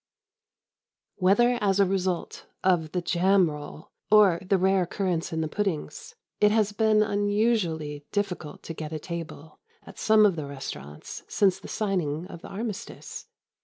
Whether as a result of the jam roll or the rare currants in the puddings, it has been unusually difficult to get a table at some of the restaurants since the signing of the Armistice.